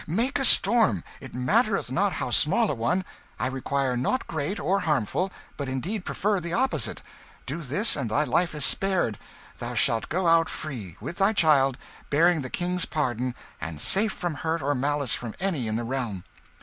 Make a storm it mattereth not how small a one I require nought great or harmful, but indeed prefer the opposite do this and thy life is spared thou shalt go out free, with thy child, bearing the King's pardon, and safe from hurt or malice from any in the realm."